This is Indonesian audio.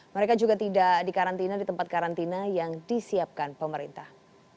mereka juga tidak dikarantina di tempat karantina yang disiapkan pemerintah